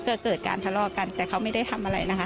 ก็เกิดการทะเลาะกันแต่เขาไม่ได้ทำอะไรนะคะ